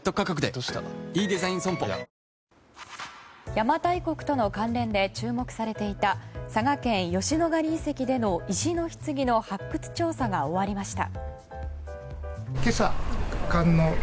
邪馬台国との関連で注目されていた佐賀県吉野ヶ里遺跡での石のひつぎの発掘調査が終わりました。